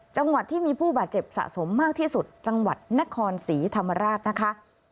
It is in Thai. จังหวัดที่มีผู้บาดเจ็บสะสมมากที่สุดจังหวัดนครศรีธรรมราชนะคะ